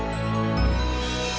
terima kasih soh